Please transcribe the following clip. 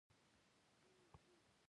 نو د توکو بیه په اصل کې څنګه ټاکل کیږي؟